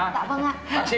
dạ vâng ạ